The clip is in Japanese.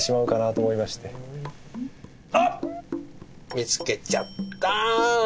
見つけちゃった！